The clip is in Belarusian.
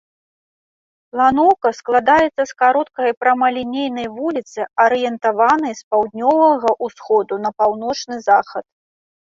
Планоўка складаецца з кароткай прамалінейнай вуліцы, арыентаванай з паўднёвага ўсходу на паўночны захад.